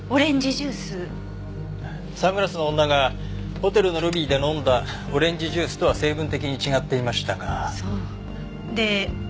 サングラスの女がホテルのロビーで飲んだオレンジジュースとは成分的に違っていましたが。